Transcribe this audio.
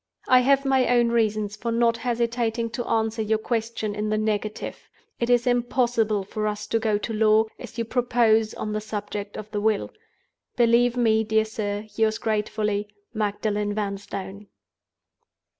"I have my own reasons for not hesitating to answer your question in the negative. It is impossible for us to go to law, as you propose, on the subject of the Will. "Believe me, dear sir, yours gratefully, "MAGDALEN VANSTONE."